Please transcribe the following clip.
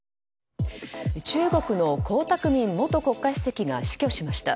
中国の江沢民元国家主席が死去しました。